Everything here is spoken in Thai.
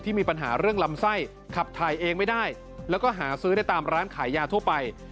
มีปัญหาเรื่องลำไส้ขับถ่ายเองไม่ได้แล้วก็หาซื้อได้ตามร้านขายยาทั่วไป